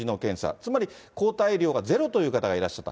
つまり抗体量がゼロという方がいらっしゃった。